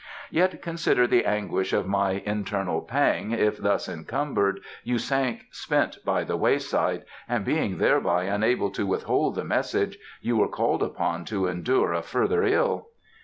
"Yet consider the anguish of my internal pang, if thus encumbered, you sank spent by the wayside, and being thereby unable to withhold the message, you were called upon to endure a further ill."